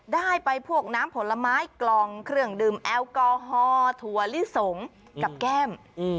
ได้ไปพวกน้ำผลไม้กล่องเครื่องดื่มแอลกอฮอล์ถั่วลิสงกับแก้ม